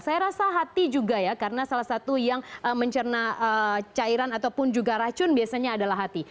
saya rasa hati juga ya karena salah satu yang mencerna cairan ataupun juga racun biasanya adalah hati